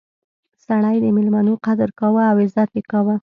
سړی د میلمنو قدر کاوه او عزت یې کاوه.